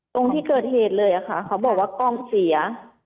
ตรงที่เกิดเหตุเลยค่ะเขาบอกว่ากล้องเสีย